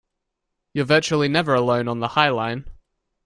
You're virtually never alone on the High Line.